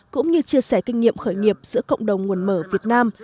cũng như chia sẻ kinh nghiệm khởi nghiệp giữa cộng đồng nguồn mở việt nam